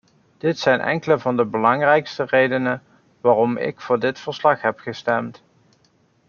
Dit zijn enkele van de belangrijkste redenen waarom ik voor dit verslag heb gestemd.